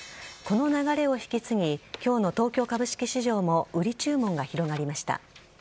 この流れを引き継ぎ、きょうの東京株式市場も売り注文が広がりました。